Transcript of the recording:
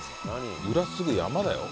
裏すぐ山だよ？